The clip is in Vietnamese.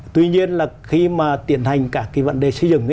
tuy nhiên là khi mà tiền hành cả cái vấn đề xây dựng